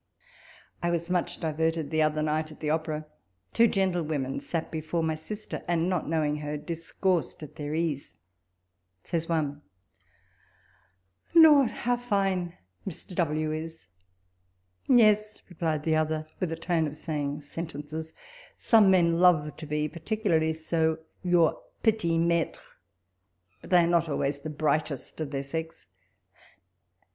I was much diverted the other night at the opera ; two gentlewomen sat before my sister, and not knowing her, discoursed at their ease. Says one, "Lordl how fine Mr. W. is!" "Yes," replied the other, with a tone of saying sentences, " some men love to be, particularly so, your pdit maiires— hut they are not always the 'brightest of their sex."